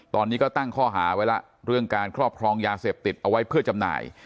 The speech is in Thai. ตอนนี้ก็ตั้งข้อหาไว้แล้วเรื่องการครอบครองยาเสพติดเอาไว้เพื่อจำหน่าย